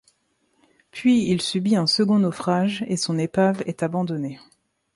Puis il subit un second naufrage et son épave est abandonné.